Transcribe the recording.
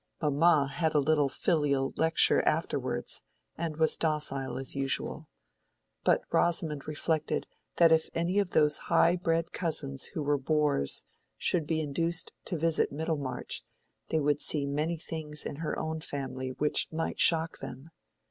Mamma had a little filial lecture afterwards, and was docile as usual. But Rosamond reflected that if any of those high bred cousins who were bores, should be induced to visit Middlemarch, they would see many things in her own family which might shock them.